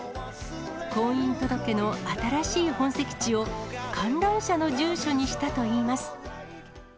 婚姻届の新しい本籍地を観覧車の住所にしたといいます。